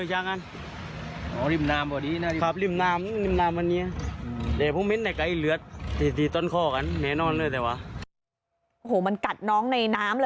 โอ้โหมันกัดน้องในน้ำเลย